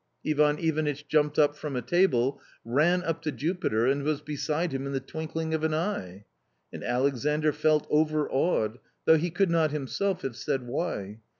Ivan Ivanitch jumped up from a table, ran up to Jupiter and was beside him in the twinkling of an eye. And Alexandr felt overawed, though he could not him self have said why.